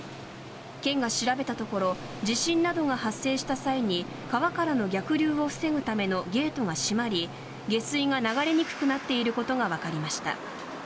県が調べたところ地震などが発生した際に川からの逆流を防ぐためのゲートが閉まり下水が流れにくくなっていることがわかりました。